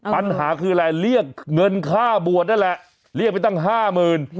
ปัญหาคืออะไรเรียกเงินค่าบวชนั่นแหละเรียกไปตั้งห้าหมื่น